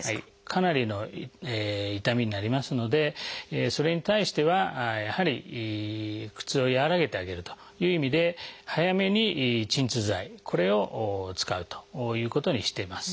かなりの痛みになりますのでそれに対してはやはり苦痛を和らげてあげるという意味で早めに鎮痛剤これを使うということにしています。